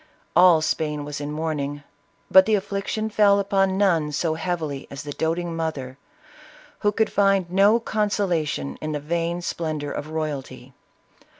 All Spain was in mourning, but the affliction fell upon none so heavily as the doting mother, who could find no con solation in the vain splendor of royalty.